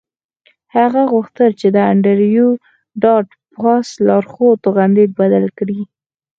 هغه غوښتل د انډریو ډاټ باس لارښود توغندی بدل کړي